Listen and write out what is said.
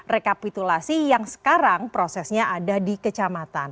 rekapitulasi yang sekarang prosesnya ada di kecamatan